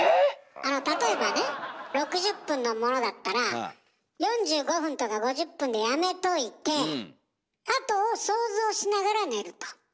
あの例えばね６０分のものだったら４５分とか５０分でやめといて後を想像しながら寝ると。